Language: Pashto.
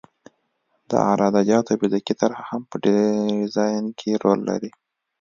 د عراده جاتو فزیکي طرح هم په ډیزاین کې رول لري